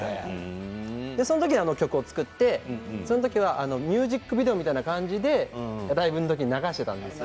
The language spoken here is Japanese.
それであの曲を作ってその時はミュージックビデオみたいな感じでライブの時に流していたんです。